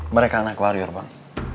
mereka anak warrior bang